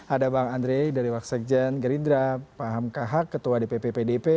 ada bang andre dari waksekjen gerindra paham kahak ketua dpp pdp